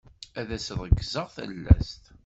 Ad as-ṛekzeɣ talast.